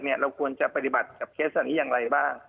เราควรจะปฏิบัติจากเคสอย่างไรบ้าง